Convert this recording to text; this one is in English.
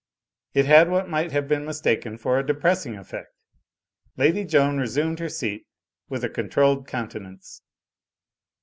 It had what might have been mistaken for a depressing effect. Lady Joan resumed her seat with a controlled countenance.